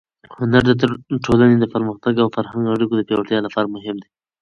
هنر د ټولنې د پرمختګ او فرهنګي اړیکو د پیاوړتیا لپاره مهم دی.